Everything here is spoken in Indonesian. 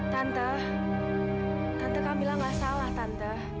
tante tante kamila enggak salah tante